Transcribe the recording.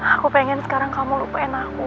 aku pengen sekarang kamu lupain aku